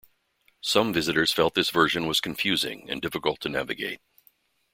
Some visitors felt this version was confusing and difficult to navigate.